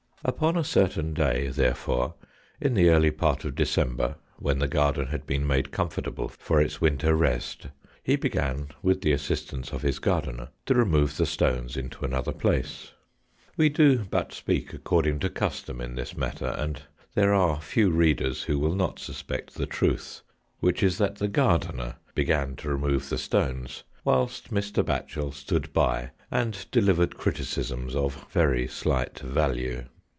Upon a certain day, therefore, in the early part of December, when the garden had been made comfortable for its winter rest, he began, with the assistance of his gardener, to remove the stones into another place. 104 THE KOCKEBT. We do but speak according to custom in this matter, and there are few readers who will not suspect the truth, which is that the gardener began to remove the stones, whilst Mr. Batchel stood by and delivered criticisms of very slight value.